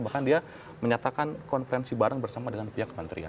bahkan dia menyatakan konferensi bareng bersama dengan pihak kementerian